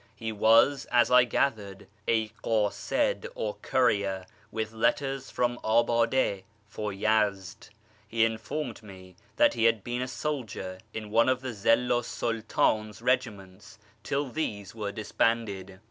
He was, as I gathered, a 'cdsid, or courier, with letters from Abade for Yezd. He told me .hat he had been a soldier in one of the Zillu 's Sultan's regiments ill these were disbanded.